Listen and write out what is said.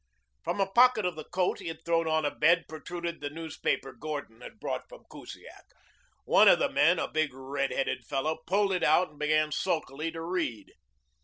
From a pocket of the coat he had thrown on a bed protruded the newspaper Gordon had brought from Kusiak. One of the men, a big red headed fellow, pulled it out and began sulkily to read.